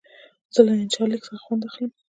زه له انشا لیک څخه خوند اخلم.